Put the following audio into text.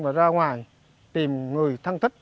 và ra ngoài tìm người thân thích